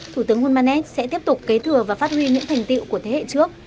thủ tướng hulmanet sẽ tiếp tục kế thừa và phát huy những thành tiệu của thế hệ trước